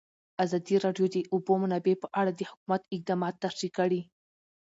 ازادي راډیو د د اوبو منابع په اړه د حکومت اقدامات تشریح کړي.